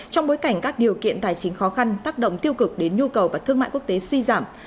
trong bối cảnh các điều kiện tài chính khó khăn tác động tiêu cực đến nhu cầu và thương mại quốc tế suy giảm